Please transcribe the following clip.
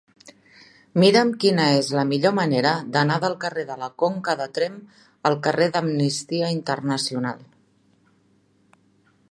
Mira'm quina és la millor manera d'anar del carrer de la Conca de Tremp al carrer d'Amnistia Internacional.